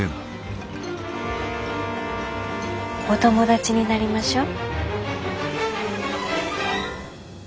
お友達になりましょう。